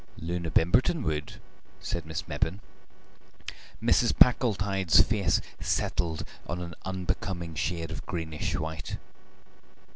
"Loona Bimberton would," said Miss Mebbin. Mrs. Packletide's face settled on an unbecoming shade of greenish white.